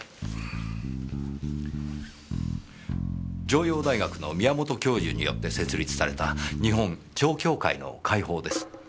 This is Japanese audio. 城陽大学の宮本教授によって設立された日本蝶協会の会報です。